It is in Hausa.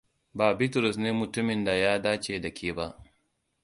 Ba Bitrus ne mutumin da ya dace da ke ba.